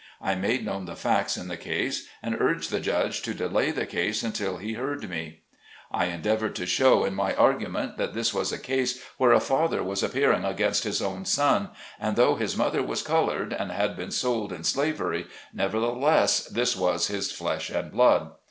I made known the facts in the case and urged the judge to delay the case until he heard me. I endeavored to show in my argument, that this was a case where a father was appearing against his own son, and though his mother was colored and had been sold in slavery, nevertheless this was his flesh and blood.